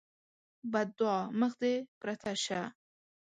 بدعا: مخ دې پرته شه!